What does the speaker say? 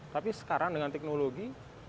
tapi sekarang dengan teknologi